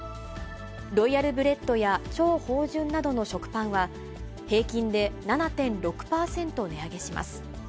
ロイヤルブレッドや超芳醇などの食パンは、平均で７．６％値上げします。